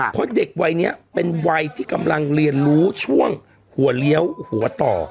เพราะเด็กวัยนี้เป็นวัยที่กำลังเรียนรู้ช่วงหัวเลี้ยวหัวต่อ